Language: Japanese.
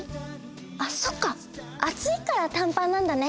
あそっかあついから短パンなんだね。